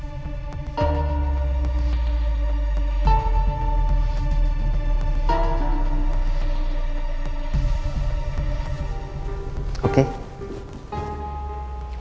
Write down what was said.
kalau terserah pak